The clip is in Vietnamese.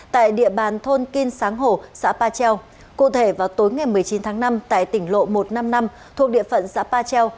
tại địa bàn thôn kinh sáng hồ xã ba treo cụ thể vào tối ngày một mươi chín tháng năm tại tỉnh lộ một trăm năm mươi năm thuộc địa phận xã pa treo